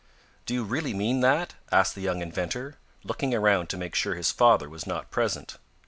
"Do you really mean that?" asked the young inventor, looking around to make sure his father was not present.